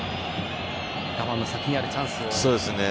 我慢の先にあるチャンスを。